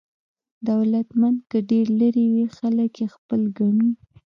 دولتمند که ډېر لرې وي، خلک یې خپل ګڼي.